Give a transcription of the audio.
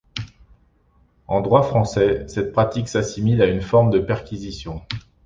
En droit français, cette pratique s'assimile à une forme de perquisition.